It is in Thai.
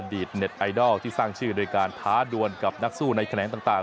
ตเน็ตไอดอลที่สร้างชื่อโดยการท้าดวนกับนักสู้ในแขนงต่าง